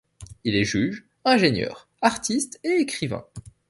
Il est juge, ingénieur, artiste et écrivain.